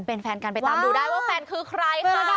เป็นแฟนกันไปตามดูได้ว่าแฟนคือใครก็ได้